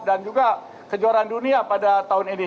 dan juga kejuaraan dunia pada tahun ini